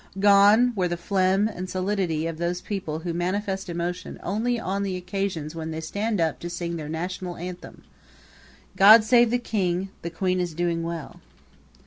Gone were the phlegm and stolidity of those people who manifest emotion only on the occasions when they stand up to sing their national anthem: God save the King! The Queen is doing well!